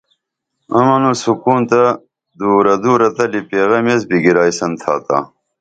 امن و سکون تہ دُورہ دُورہ تلی پیغم ایس بِگرائیسن تھاتا